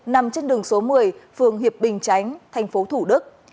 nằm trên đường số một mươi phường hiệp bình chánh thành phố thủ đức